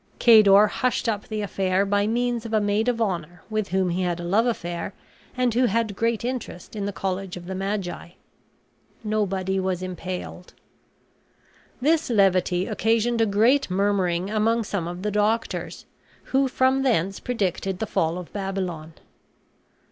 Cador hushed up the affair by means of a maid of honor with whom he had a love affair, and who had great interest in the College of the Magi. Nobody was impaled. This levity occasioned a great murmuring among some of the doctors, who from thence predicted the fall of Babylon.